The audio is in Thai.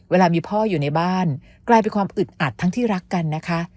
เวลามีพ่ออยู่ในบ้านกลายเป็นความอึดอัดทั้งที่รักกันนะคะ